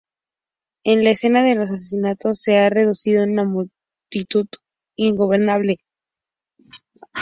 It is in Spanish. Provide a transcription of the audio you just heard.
En la escena de los asesinatos se ha reunido una multitud ingobernable.